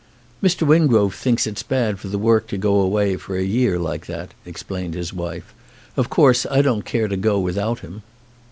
"Mr. Wingrove thinks it's bad for the work to go away for a year like that," explained his wife. "Of course I don't care to go without him."